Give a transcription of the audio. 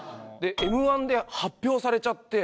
Ｍ−１で発表されちゃって。